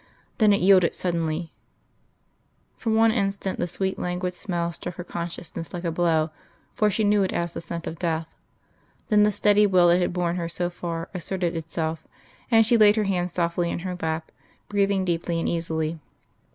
Then it yielded suddenly.... For one instant the sweet languid smell struck her consciousness like a blow, for she knew it as the scent of death. Then the steady will that had borne her so far asserted itself, and she laid her hands softly in her lap, breathing deeply and easily.